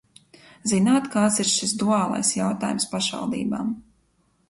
Zināt, kāds ir šis duālais jautājums pašvaldībām?